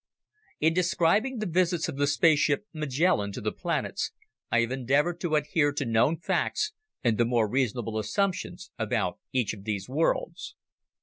In describing the visits of the spaceship Magellan to the planets, I have endeavored to adhere to known facts and the more reasonable assumptions about each of these worlds.